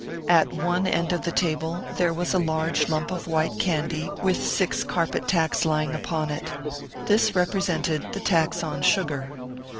At one end of the table, there was a large lump of white candy, with six carpet tacks lying upon it. This represented the " Tax on Sugar."